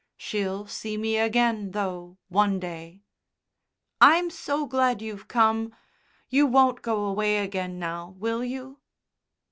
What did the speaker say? She'll see me again, though, one day." "I'm so glad you've come. You won't go away again now, will you?"